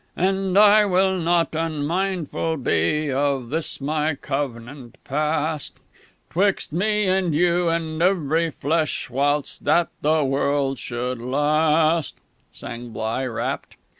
_"And I will not unmindful be Of this, My covenant, passed Twixt Me and you and every flesh Whiles that the world should last,"_ sang Bligh, rapt....